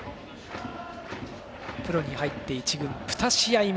プロに入って１軍、２試合目。